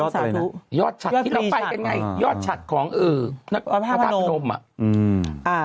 สาธุนะ